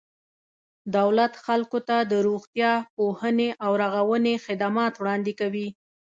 دولت خلکو ته د روغتیا، پوهنې او رغونې خدمات وړاندې کوي.